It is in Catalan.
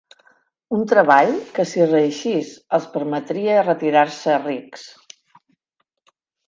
Un treball que, si reeixís, els permetria retirar-se rics.